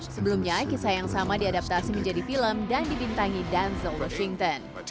sebelumnya kisah yang sama diadaptasi menjadi film dan dibintangi dance washington